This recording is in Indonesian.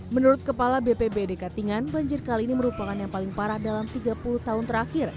menurut kepala bpbd katingan banjir kali ini merupakan yang paling parah dalam tiga puluh tahun terakhir